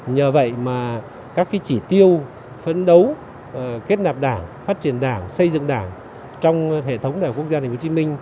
nhờ vậy mà các chỉ tiêu phấn đấu kết nạp đảng phát triển đảng xây dựng đảng trong hệ thống đại học quốc gia tp hcm